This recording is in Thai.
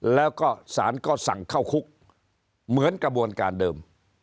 แล้วก็สารก็สั่งเข้าคุกเหมือนกระบวนการเดิม